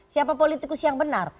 siapa politikus yang benar